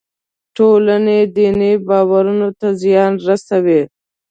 ټولنې دیني باورونو ته زیان رسوي.